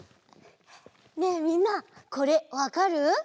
ねえみんなこれわかる？